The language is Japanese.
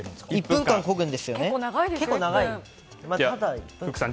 １分間こぐんですよね、結構長い。